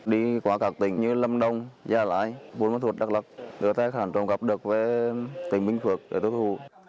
đi qua các tỉnh như lâm đông gia lai bương ma thuột đắk lóc đưa tài khoản trộm cắp được với tỉnh bình phước để tiêu thụ